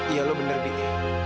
iya lo bener bik